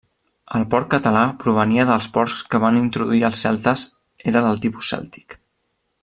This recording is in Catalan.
El porc català provenia dels porcs que van introduir els celtes, era del tipus cèltic.